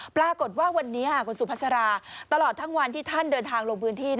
ปรากฏว่าวันนี้คุณสุภาษาราตลอดทั้งวันที่ท่านเดินทางลงพื้นที่